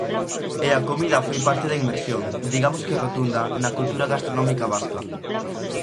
E a comida foi parte da inmersión, digamos que rotunda, na cultura gastronómica vasca.